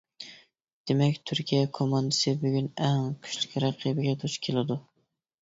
دېمەك تۈركىيە كوماندىسى بۈگۈن ئەڭ كۈچلۈك رەقىبىگە دۇچ كېلىدۇ!